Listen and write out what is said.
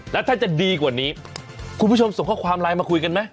แล้วถ้าจะดีกว่านี้คุณผู้ชมส่งข้อความไลน์มาคุยกันไหม